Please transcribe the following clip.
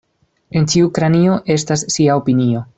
En ĉiu kranio estas sia opinio.